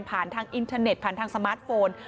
ทางอินเทอร์เน็ตผ่านทางสมาร์ทโฟน